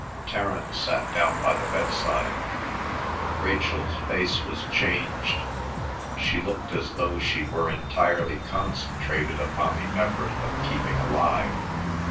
Terence sat down by the bedside. Rachel's face was changed. She looked as though she were entirely concentrated upon the effort of keeping alive.